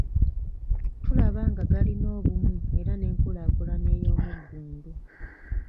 Tulaba nga galina obumu era n’enkulaakulana ey'omuggundu.